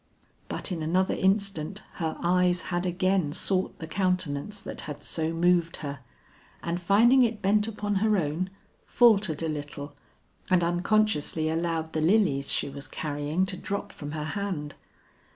But in another instant her eyes had again sought the countenance that had so moved her, and finding it bent upon her own, faltered a little and unconsciously allowed the lilies she was carrying to drop from her hand.